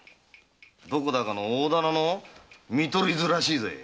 どこだかの大店の見取り図らしいぜ。